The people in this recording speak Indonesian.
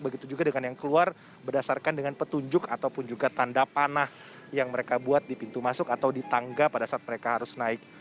begitu juga dengan yang keluar berdasarkan dengan petunjuk ataupun juga tanda panah yang mereka buat di pintu masuk atau di tangga pada saat mereka harus naik